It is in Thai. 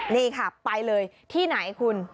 นี่ค่ะไปเลยที่ไหนคุณ